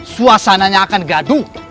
suasananya akan gaduh